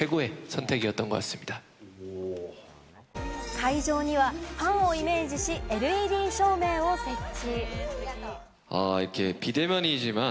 会場にはファンをイメージしＬＥＤ照明を設置。